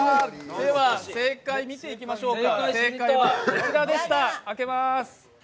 正解、見ていきましょうか。